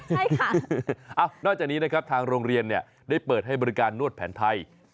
ใช่ค่ะนอกจากนี้นะครับทางโรงเรียนได้เปิดให้บริการนวดแผนไทย